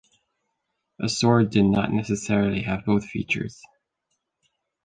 A sword did not necessarily have both features.